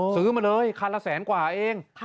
ซื้อมาเลยคันละแสนกว่าเอง